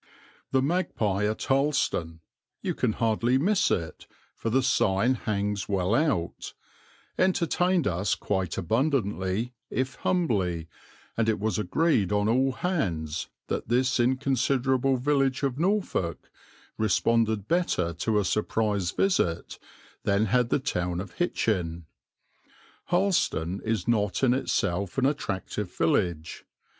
The "Magpie" at Harleston you can hardly miss it, for the sign hangs well out entertained us quite abundantly, if humbly, and it was agreed on all hands that this inconsiderable village of Norfolk responded better to a surprise visit than had the town of Hitchin. Harleston is not in itself an attractive village.